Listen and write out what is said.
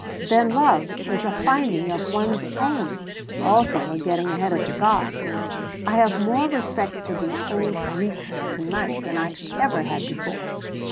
Then love is a finding of one's own also, a getting ahead of the gods. I have more respect for the old Greeks to night than I ever had before!